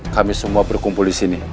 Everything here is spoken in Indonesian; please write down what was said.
kami semua berkumpul disini